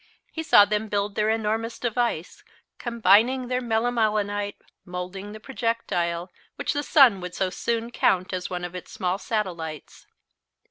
He saw them build their enormous device, combining their melimelonite, moulding the projectile which the sun would so soon count as one of its small satellites.